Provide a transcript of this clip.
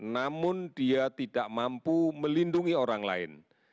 namun dia tidak mampu melindungi orang lain